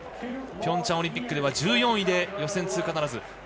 ピョンチャンオリンピックでは１４位で予選通過ならず。